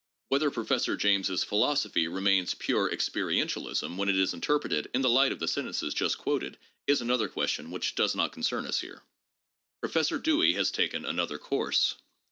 Whether Professor James's philosophy remains pure experientialism when it is interpreted in the light of the sen tences just quoted, is another question which does not concern us here. Professor Dewey has taken another course.